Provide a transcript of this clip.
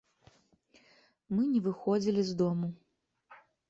Мы не выходзілі з дому.